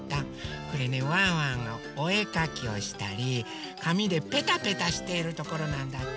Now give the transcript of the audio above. これねワンワンのおえかきをしたりかみでペタペタしてるところなんだって。